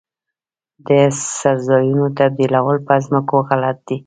د څړځایونو تبدیلول په ځمکو غلط دي.